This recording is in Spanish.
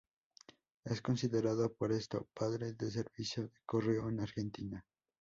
Es considerado por esto, "padre del servicio de correo en Argentina".